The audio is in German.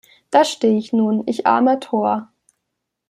Da steh ich nun, ich armer Tor!